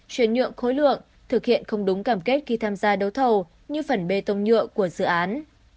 chuyển nhượng khối lượng thực hiện không đúng cảm kết khi tham gia đấu thầu như phần bê tông nhựa của dự án